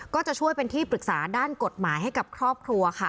ก็จะช่วยเป็นที่ปรึกษาด้านกฎหมายให้กับครอบครัวค่ะ